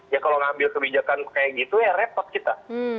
ya kalau ngambil kebijakan kayak gitu ya repot kita